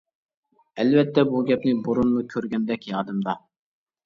ئەلۋەتتە بۇ گەپنى بۇرۇنمۇ كۆرگەندەك يادىمدا.